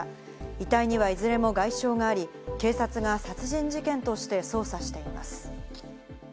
遺体にはいずれも外傷があり、警察が殺人事件として捜査しています。